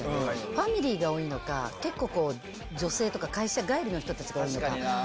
ファミリーが多いのか、結構、こう女性とか会社帰りの人たちが確かに。